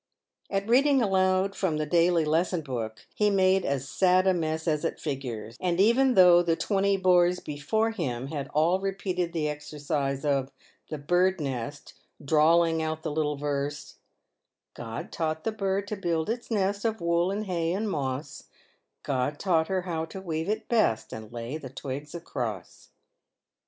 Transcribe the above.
At reading aloud from the " daily lesson book" he made as sad a mess as at figures ; and even though the twenty boys before him had all repeated the exercise of "The Bird's Nest," drawling out the little verse, God taught the bird to build its nest Of wool, and hay, and moss ; God taught her how to weave it best, And lay the twigs across.